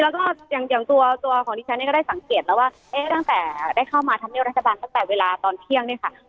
แล้วก็ตั้งแต่ได้เข้ามาทันเลียแรษฐาบาลตั้งแต่เวลาตอนเที่ยงเนี่ยค่ะ